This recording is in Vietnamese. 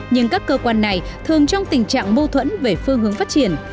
nhưng các cơ quan này thường trong tình trạng mâu thuẫn về phương hướng phát triển